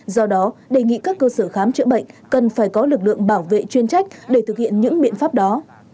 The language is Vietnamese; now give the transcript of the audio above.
do đó đề nghị các cơ sở khám chữa bệnh cần phải có lực lượng bảo vệ chuyên trách để thực hiện những biện pháp đó